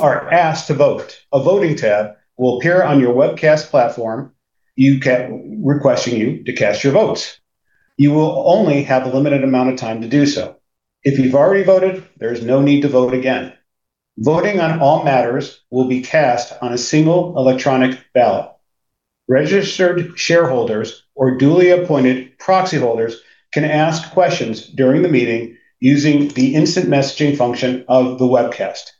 Are asked to vote. A voting tab will appear on your webcast platform. Requesting you to cast your votes. You will only have a limited amount of time to do so. If you've already voted, there's no need to vote again. Voting on all matters will be cast on a single electronic ballot. Registered shareholders or duly appointed proxy holders can ask questions during the meeting using the instant messaging function of the webcast.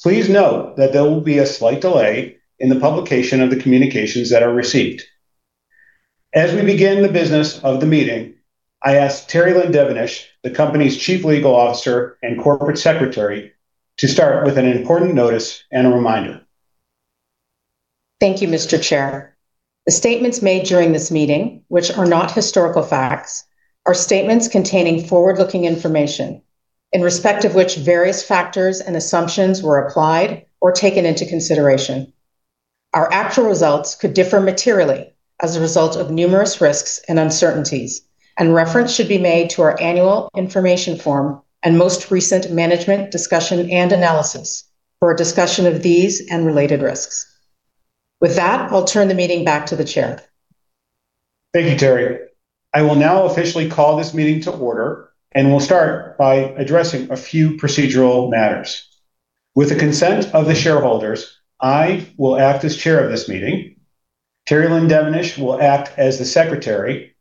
Please note that there will be a slight delay in the publication of the communications that are received. As we begin the business of the meeting, I ask Terrie-Lynne Devonish, the company's Chief Legal Officer and Corporate Secretary, to start with an important notice and a reminder. Thank you, Mr. Chair. The statements made during this meeting, which are not historical facts, are statements containing forward-looking information in respect of which various factors and assumptions were applied or taken into consideration. Our actual results could differ materially as a result of numerous risks and uncertainties, and reference should be made to our Annual Information Form and most recent management discussion and analysis for a discussion of these and related risks. With that, I'll turn the meeting back to the Chair. Thank you, Terrie. I will now officially call this meeting to order, and we'll start by addressing a few procedural matters. With the consent of the shareholders, I will act as Chair of this meeting. Terrie-Lynne Devonish will act as the Secretary,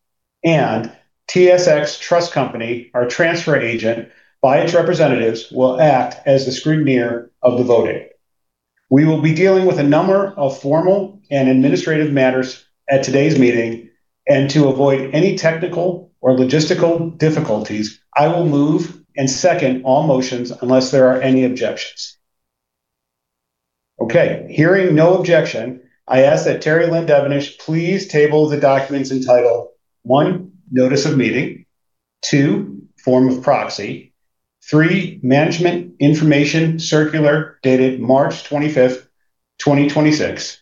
and TSX Trust Company, our Transfer Agent, by its representatives, will act as the Scrutineer of the voting. We will be dealing with a number of formal and administrative matters at today's meeting, and to avoid any technical or logistical difficulties, I will move and second all motions unless there are any objections. Okay, hearing no objection, I ask that Terrie-Lynne Devonish please table the documents entitled, one, Notice of Meeting. Two, Form of Proxy. Three Management Information Circular dated March 25, 2026.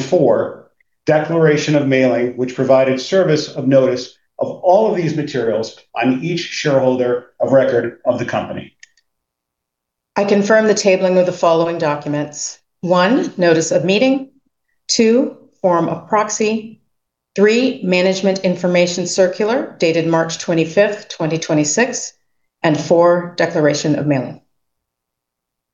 Four, Declaration of Mailing, which provided service of notice of all of these materials on each shareholder of record of the company. I confirm the tabling of the following documents. One, Notice of Meeting. Two, Form of Proxy. Three, Management Information Circular dated March 25th, 2026. Four, Declaration of Mailing.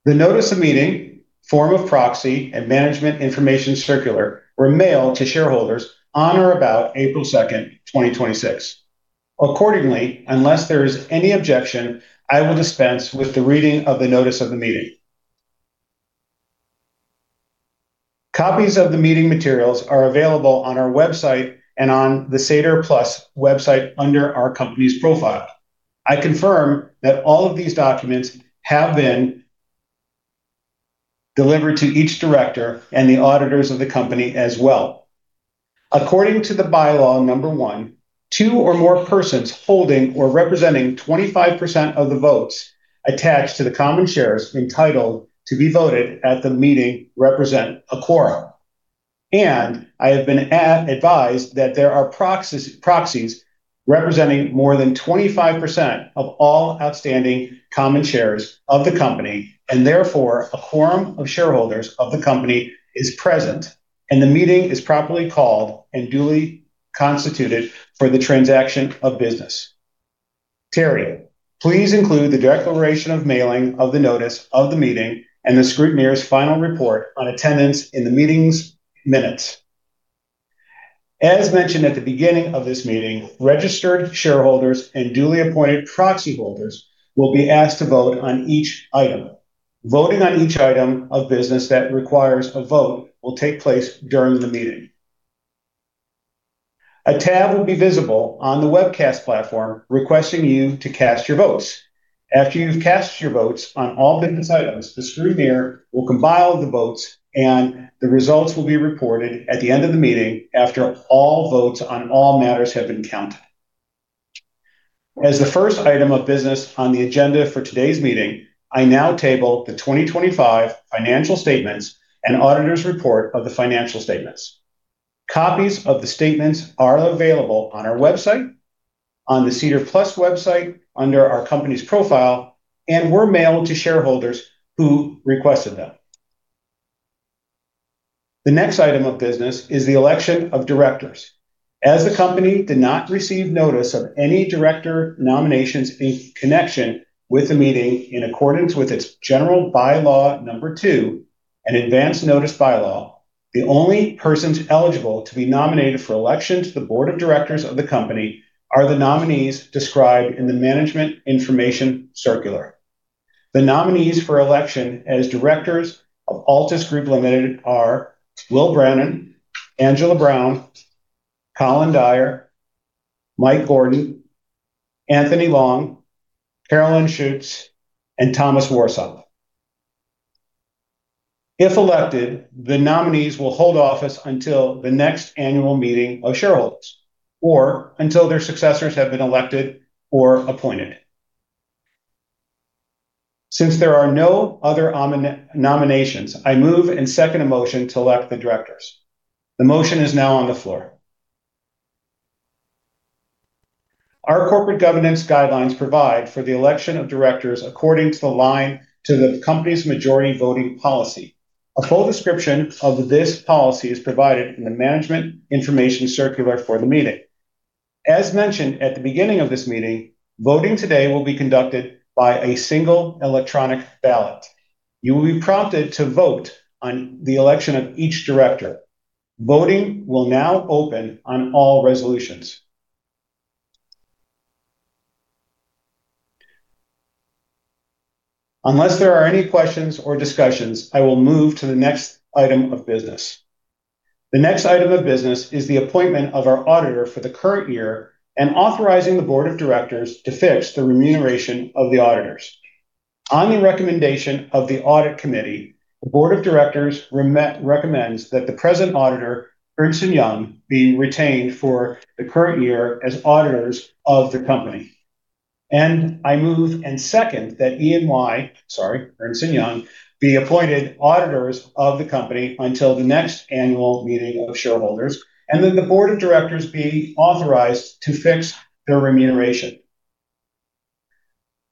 The Notice of Meeting, Form of Proxy, and Management Information Circular were mailed to shareholders on or about April 2, 2026. Unless there is any objection, I will dispense with the reading of the Notice of the Meeting. Copies of the meeting materials are available on our website and on the SEDAR+ website under our company's profile. I confirm that all of these documents have been delivered to each Director and the Auditors of the company as well. According to the bylaw number one, two or more persons holding or representing 25% of the votes attached to the common shares entitled to be voted at the meeting represent a quorum. I have been advised that there are proxies representing more than 25% of all outstanding common shares of the company, and therefore, a quorum of shareholders of the company is present, and the meeting is properly called and duly constituted for the transaction of business. Terrie, please include the Declaration of Mailing of the Notice of the Meeting and the scrutineer's final report on attendance in the meeting's minutes. As mentioned at the beginning of this meeting, registered shareholders and duly appointed proxy holders will be asked to vote on each item. Voting on each item of business that requires a vote will take place during the meeting. A tab will be visible on the webcast platform requesting you to cast your votes. After you've cast your votes on all business items, the scrutineer will compile the votes, and the results will be reported at the end of the meeting after all votes on all matters have been counted. As the first item of business on the agenda for today's meeting, I now table the 2025 financial statements and Auditor's Report of the financial statements. Copies of the statements are available on our website, on the SEDAR+ website under our company's profile, and were mailed to shareholders who requested them. The next item of business is the Election of Directors. As the company did not receive notice of any Director nominations in connection with the meeting in accordance with its general bylaw number two and advance notice bylaw, the only persons eligible to be nominated for election to the Board of Directors of the company are the nominees described in the Management Information Circular. The nominees for election as Directors of Altus Group Limited are Will Brennan, Angela Brown, Colin Dyer, Mike Gordon, Anthony Long, Carolyn Schuetz, and Thomas Warsop. If elected, the nominees will hold office until the next Annual Meeting of Shareholders or until their successors have been elected or appointed. Since there are no other nominations, I move and second a motion to elect the Directors. The motion is now on the floor. Our corporate governance guidelines provide for the Election of Directors according to the company's majority voting policy. A full description of this policy is provided in the Management Information Circular for the meeting. As mentioned at the beginning of this meeting, voting today will be conducted by a single electronic ballot. You will be prompted to vote on the election of each Director. Voting will now open on all resolutions. Unless there are any questions or discussions, I will move to the next item of business. The next item of business is the appointment of our auditor for the current year and authorizing the Board of Directors to fix the remuneration of the auditors. On the recommendation of the audit committee, the Board of Directors recommends that the present Auditor, Ernst & Young, be retained for the current year as auditors of the company. I move and second that Ernst & Young be appointed auditors of the company until the next annual meeting of shareholders, and that the board of directors be authorized to fix their remuneration.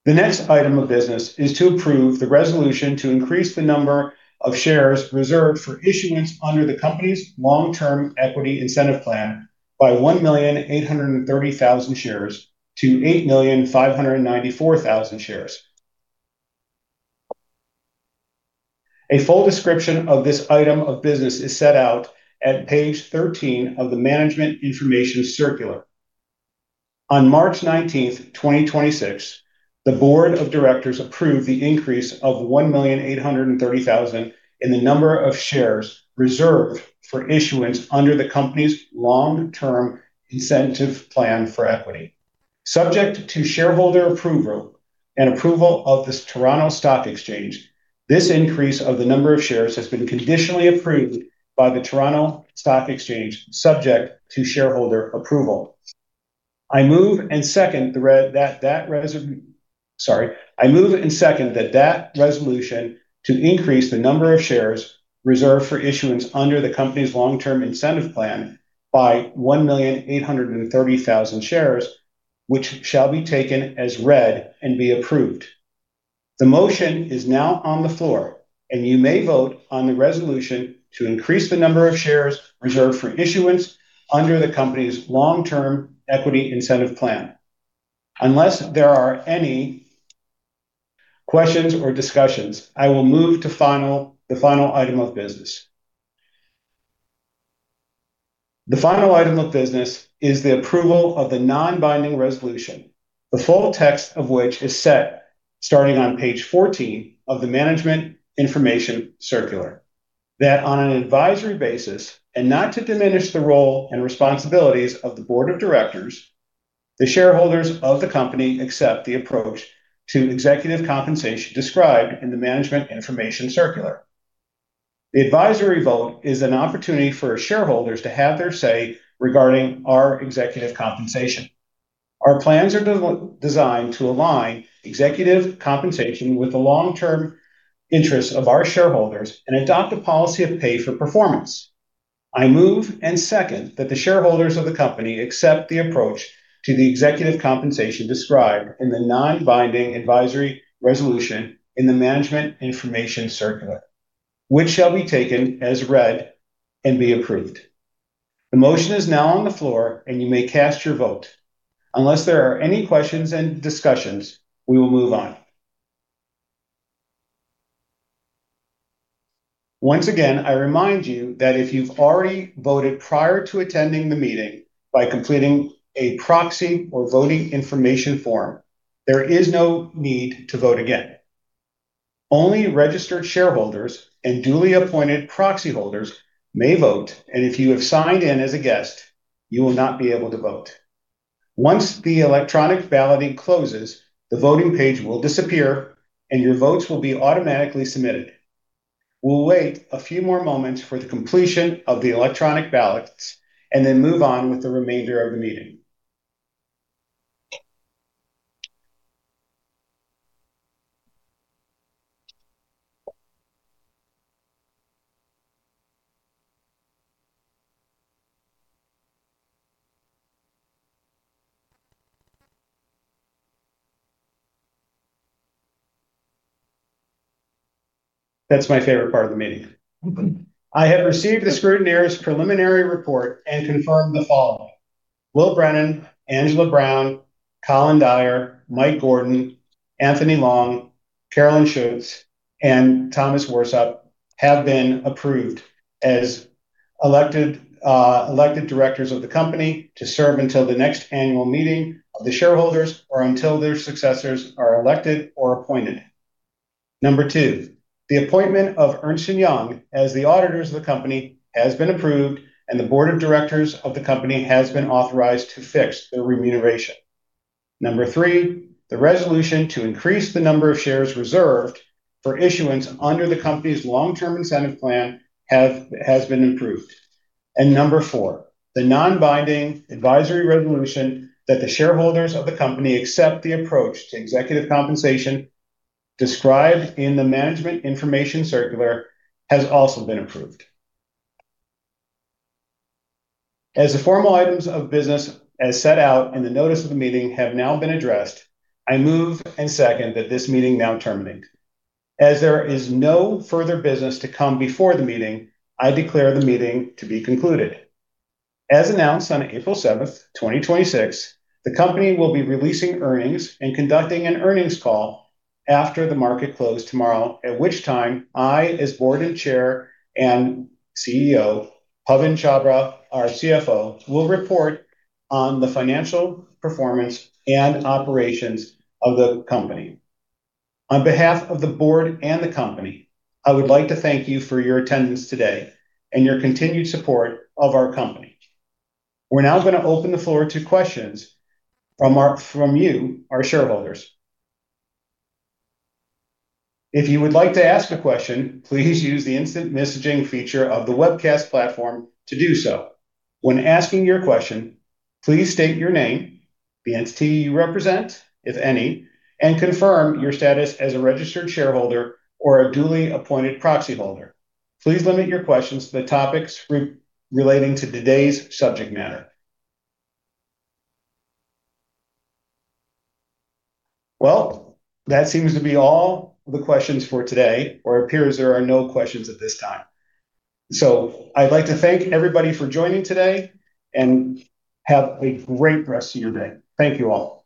The next item of business is to approve the resolution to increase the number of shares reserved for issuance under the company's long-term equity incentive plan by 1,830,000 shares to 8,594,000 shares. A full description of this item of business is set out at Page 13 of the Management Information Circular. On March 19, 2026, the Board of Directors approved the increase of 1,830,000 in the number of shares reserved for issuance under the company's long-term incentive plan for equity. Subject to shareholder approval and approval of the Toronto Stock Exchange, this increase of the number of shares has been conditionally approved by the Toronto Stock Exchange subject to shareholder approval. I move and second that that resolution to increase the number of shares reserved for issuance under the company's long-term incentive plan by 1,830,000 shares, which shall be taken as read and be approved. The motion is now on the floor, and you may vote on the resolution to increase the number of shares reserved for issuance under the company's long-term equity incentive plan. Unless there are any questions or discussions, I will move to the final item of business. The final item of business is the approval of the non-binding resolution, the full text of which is set starting on Page 14 of the Management Information Circular. That on an advisory basis and not to diminish the role and responsibilities of the Board of Directors, the shareholders of the company accept the approach to executive compensation described in the Management Information Circular. The advisory vote is an opportunity for shareholders to have their say regarding our executive compensation. Our plans are designed to align executive compensation with the long-term interests of our shareholders and adopt a policy of pay for performance. I move and second that the shareholders of the company accept the approach to the executive compensation described in the non-binding advisory resolution in the Management Information Circular, which shall be taken as read and be approved. The motion is now on the floor, and you may cast your vote. Unless there are any questions and discussions, we will move on. Once again, I remind you that if you've already voted prior to attending the meeting by completing a proxy or voting information form, there is no need to vote again. Only registered shareholders and duly appointed proxy holders may vote, and if you have signed in as a guest, you will not be able to vote. Once the electronic balloting closes, the voting page will disappear, and your votes will be automatically submitted. We'll wait a few more moments for the completion of the electronic ballots and then move on with the remainder of the meeting. That's my favorite part of the meeting. I have received the scrutineer's preliminary report and confirmed the following: Will Brennan, Angela Brown, Colin Dyer, Mike Gordon, Anthony Long, Carolyn Schuetz, and Thomas Warsop have been approved as elected Directors of the company to serve until the next annual meeting of the shareholders or until their successors are elected or appointed. Number two, the appointment of Ernst & Young as the Auditors of the company has been approved, and the Board of Directors of the company has been authorized to fix their remuneration. Number three, the resolution to increase the number of shares reserved for issuance under the company's long-term incentive plan has been approved. Number four, the non-binding advisory resolution that the shareholders of the company accept the approach to executive compensation described in the Management Information Circular has also been approved. As the formal items of business as set out in the Notice of the Meeting have now been addressed, I move and second that this meeting now terminate. As there is no further business to come before the meeting, I declare the meeting to be concluded. As announced on April 7, 2026, the company will be releasing earnings and conducting an earnings call after the market close tomorrow. At which time, I, as board and Chair, and CEO, Pawan Chhabra, our CFO, will report on the financial performance and operations of the company. On behalf of the Board and the company, I would like to thank you for your attendance today and your continued support of our company. We're now gonna open the floor to questions from you, our shareholders. If you would like to ask a question, please use the instant messaging feature of the webcast platform to do so. When asking your question, please state your name, the entity you represent, if any, and confirm your status as a registered shareholder or a duly appointed proxy holder. Please limit your questions to the topics relating to today's subject matter. Well, that seems to be all the questions for today, or appears there are no questions at this time. I'd like to thank everybody for joining today, and have a great rest of your day. Thank you all.